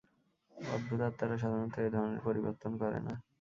অদ্ভূত, আত্মারা সাধারণত এ ধরণের পরিবর্তন করে না।